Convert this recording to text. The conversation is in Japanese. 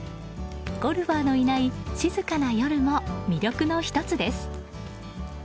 ゴルファーのいない静かな夜も魅力の１つです。